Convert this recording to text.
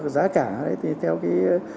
giá cả thì theo cái